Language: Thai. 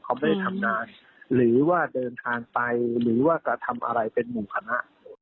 เขาไม่ได้ทำงานหรือว่าเดินทางไปหรือว่ากระทำอะไรเป็นหมู่คณะ